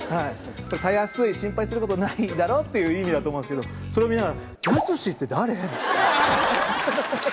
たやすい心配することないって意味だと思うんすけどそれを見ながら。